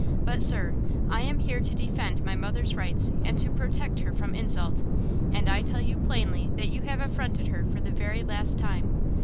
But, sir, I am here to defend my mother's rights and to protect her from insult! And I tell you plainly that you have affronted her for the very last time!